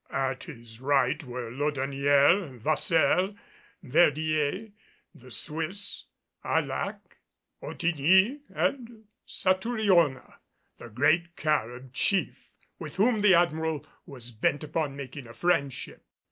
At his right were Laudonnière, Vasseur, Verdier, the Swiss, Arlac, Ottigny, and Satouriona the great Carib chief with whom the Admiral was bent upon making a friendship.